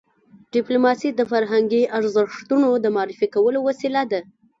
ډيپلوماسي د فرهنګي ارزښتونو د معرفي کولو وسیله ده.